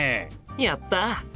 やった！